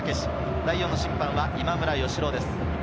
第４の審判は今村義朗です。